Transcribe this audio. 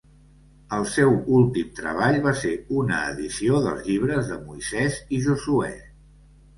El seu últim treball va ser una edició dels llibres de Moisès i Josuè.